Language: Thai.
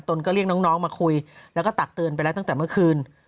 ก็เรียกน้องมาคุยแล้วก็ตักเตือนไปแล้วตั้งแต่เมื่อคืน